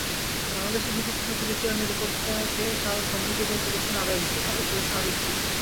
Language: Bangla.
বাংলাদেশের বিপক্ষে সবচেয়ে বেশি রানের রেকর্ডটাকে কাল সমৃদ্ধতর করেছেন আরও একটু।